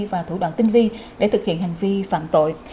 và thủ đoạn tinh vi để thực hiện hành vi phạm tội